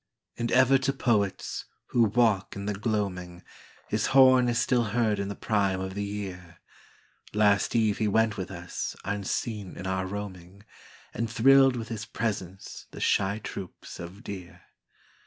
And ever to poets, who walk in the gloaming, His horn is still heard in the prime of the year; Last eve he went with us, unseen, in our roaming, And thrilled with his presence the shy troops of deer.